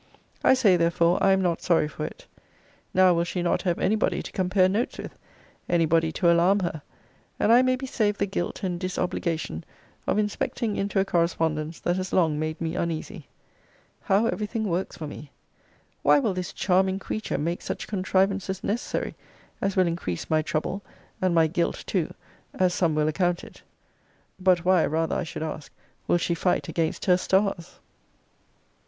I say, therefore, I am not sorry for it: now will she not have any body to compare notes with: any body to alarm her: and I may be saved the guilt and disobligation of inspecting into a correspondence that has long made me uneasy. How every thing works for me! Why will this charming creature make such contrivances necessary, as will increase my trouble, and my guilt too, as some will account it? But why, rather I should ask, will she fight against her stars?